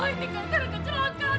ini kan karena kecelakaan